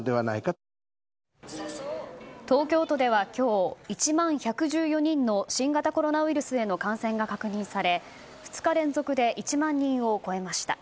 東京都では今日１万１１４人の新型コロナウイルスへの感染が確認され２日連続で１万人を超えました。